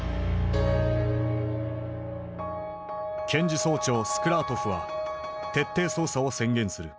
検事総長スクラートフは徹底捜査を宣言する。